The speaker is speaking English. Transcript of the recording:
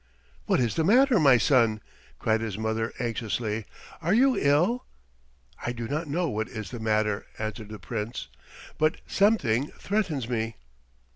"What is the matter, my son?" cried his mother anxiously. "Are you ill?" "I do not know what is the matter," answered the Prince, "but something threatens me."